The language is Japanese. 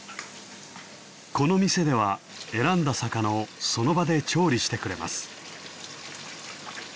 この店では選んだ魚をその場で調理してくれます。